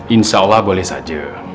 insya allah boleh saja